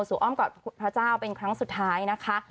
อ้อมกอดพระเจ้าเป็นครั้งสุดท้ายนะคะ